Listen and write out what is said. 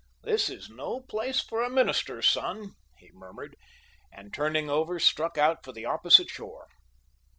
"This is no place for a minister's son," he murmured, and turning over struck out for the opposite shore.